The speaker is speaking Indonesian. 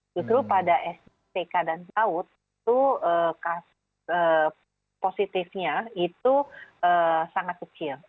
justru pada stk dan saud itu kasus positifnya itu sangat kecil